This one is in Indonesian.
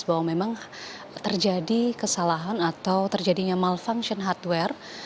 bahwa memang terjadi kesalahan atau terjadinya malfunction hardware